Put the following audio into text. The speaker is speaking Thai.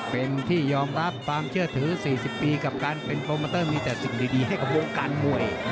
เป็นที่ยอมรับความเชื่อถือ๔๐ปีกับการเป็นโปรโมเตอร์มีแต่สิ่งดีให้กับวงการมวย